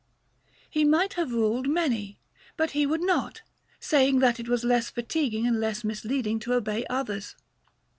He might have ruled many, but he would not, saying that it was less fatiguing and less misleading to obey others.